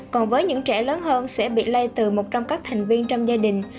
còn với những trẻ lớn hơn sẽ bị lây từ một trong các thành viên trong gia đình